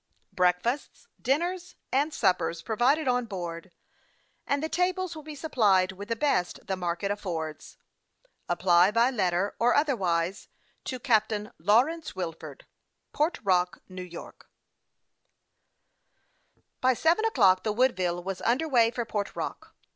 Breakfasts, dinners, and suppers, proA'ided on board ; and the tables will be supplied with the best the market affords. Apply by letter, or otherwise, to CAPTAIN LAW RENCE WILFORD, Port Rock, N. Y. THE YOUNG PILOT OF LAKE CHAMPLAIN. 259 By seven o'clock the Woodville was under way for Port Rock.